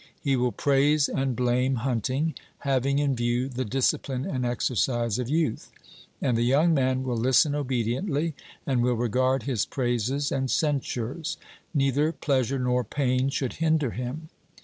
He will praise and blame hunting, having in view the discipline and exercise of youth. And the young man will listen obediently and will regard his praises and censures; neither pleasure nor pain should hinder him.